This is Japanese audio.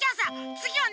つぎはね